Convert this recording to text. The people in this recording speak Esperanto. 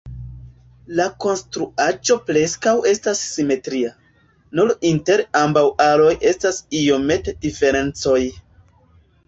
La konstruaĵo preskaŭ estas simetria, nur inter ambaŭ aloj estas iomete diferencoj.